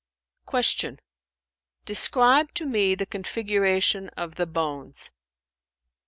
Q "Describe to me the configuration of the bones."